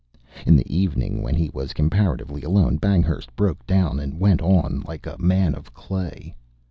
In the evening, when he was comparatively alone, Banghurst broke down and went on like a man of clay.